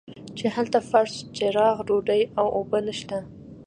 چې هلته فرش چراغ ډوډۍ او اوبه نشته.